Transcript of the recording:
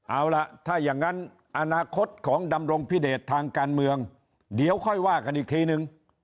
เอาล่ะถ้าอย่างนั้นอนาคตของดำรงพิเดชทางการเมืองเดี๋ยวค่อยว่ากันอีกทีนึง